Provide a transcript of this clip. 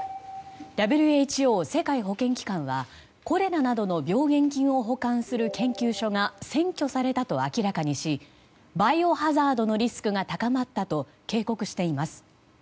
ＷＨＯ・世界保健機関はコレラなどの病原菌を保管する研究所が占拠されたと明らかにしバイオハザードのリスクが高まったと警告しています。